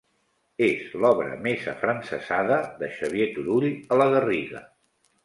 És l'obra més afrancesada de Xavier Turull a La Garriga.